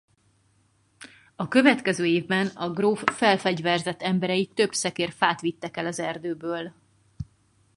A következő évben a gróf felfegyverzett emberei több szekér fát vittek el az erdőből.